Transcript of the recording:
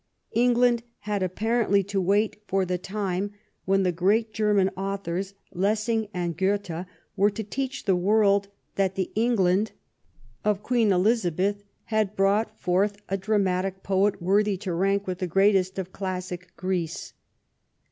England had apparently to wait for the time when the great German authors, Lessing and Goethe, were to teach the world that the England of Queen Elizabeth had brought forth a dramatic poet worthy to rank with the greatest of classic Greece.